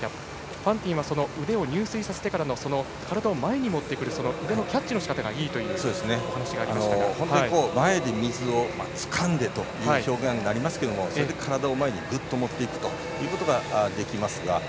ファンティンは腕を入水させてからの体を前に持ってくる腕のキャッチのしかたが前で水をつかんでという表現ですがそれで体を前にぐっと持っていくことができますが。